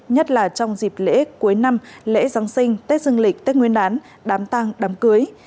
nhất là trong dịp lễ cuối năm lễ giáng sinh tết dương lịch tết nguyên đán đám tăng đám cưới